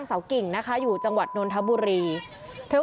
แต่อย่างที่บอกค่ะแม่ลูกสามคนนี้ไม่มีใครสวมหน้ากากอนามัยเลยอ่ะค่ะ